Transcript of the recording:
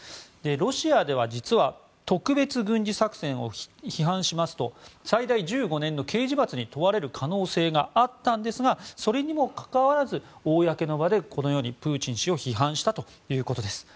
ロシアでは実は特別軍事作戦を批判しますと最大１５年の刑事罰に問われる可能性があったんですがそれにもかかわらず公の場でこのようにプーチン氏を批判したということです。